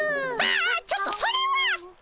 ああちょっとそれは！